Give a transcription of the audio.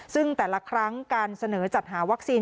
ซึ่งแต่ละครั้งการเสนอจัดหาวัคซีน